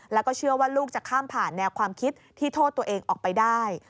แล้วก็เชื่อว่าลูกจะข้ามผ่านแนวความคิดที่โทษตัวเองออกไปได้